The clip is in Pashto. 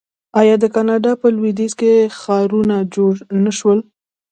آیا د کاناډا په لویدیځ کې ښارونه جوړ نشول؟